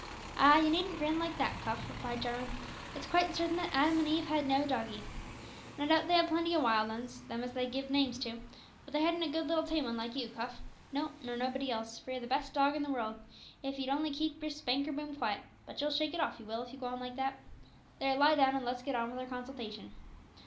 "Ah, you needn't grin like that, Cuff," replied Jarwin, "it's quite certain that Adam and Eve had no doggie. No doubt they had plenty of wild 'uns them as they giv'd names to but they hadn't a good little tame 'un like you, Cuff; no, nor nobody else, for you're the best dog in the world if you'd only keep yer spanker boom quiet; but you'll shake it off, you will, if you go on like that. There, lie down, an' let's get on with our consultation.